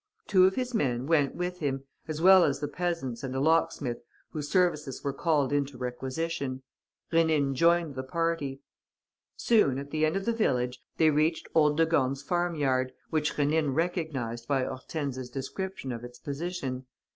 Two of his men went with him, as well as the peasants and a locksmith whose services were called into requisition. Rénine joined the party. Soon, at the end of the village, they reached old de Gorne's farmyard, which Rénine recognized by Hortense's description of its position.